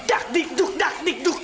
dak di duk dak di duk